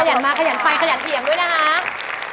หันมาขยันไปขยันเถียงด้วยนะคะ